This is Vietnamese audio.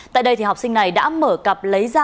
tại đây học sinh này đã mở cặp lấy ra